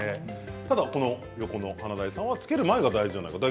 ただ横の華大さんはつける前が大事じゃないかと。